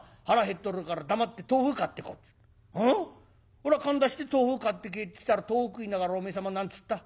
おらかんだして豆腐買って帰ってきたら豆腐食いながらおめえ様何つった？